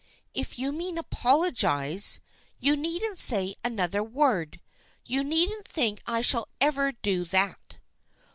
" If you mean apologize, you needn't say an other word. You needn't think I shall ever do that."